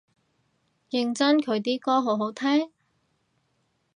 認真佢啲歌好好聽？